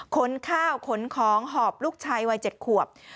ขนข้าวขนของหอบลูกชายวัย๗ขวบ